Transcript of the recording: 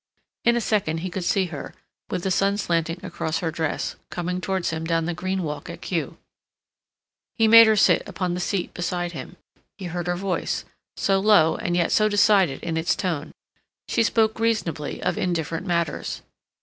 In a second he could see her, with the sun slanting across her dress, coming towards him down the green walk at Kew. He made her sit upon the seat beside him. He heard her voice, so low and yet so decided in its tone; she spoke reasonably of indifferent matters.